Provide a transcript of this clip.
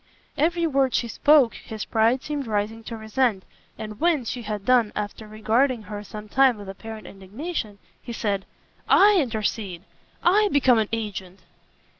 Every word she spoke his pride seemed rising to resent, and when, she had done, after regarding her some time with apparent indignation, he said, "I intercede! I become an agent!"